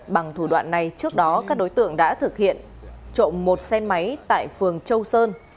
bằng thủ đoạn này trước đó các đối tượng đã thực hiện trộm một xe máy tại phường châu sơn